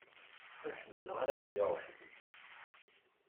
Ur ḥemmleɣ ara ad iliɣ weḥd-i.